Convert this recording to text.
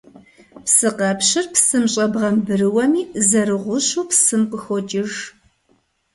Псыкъэпщыр псым щӀэбгъэмбрыуэми, зэрыгъущэу псым къыхокӀыж.